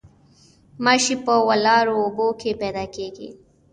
ماشي په ولاړو اوبو کې پیدا کیږي